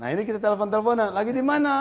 nah ini kita telpon telpon lagi di mana